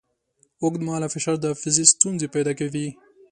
اوږدمهاله فشار د حافظې ستونزې پیدا کوي.